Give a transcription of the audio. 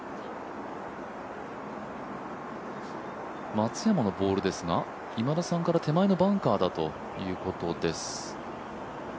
松山のボールですが、今田さんから手前のバンカーだということです。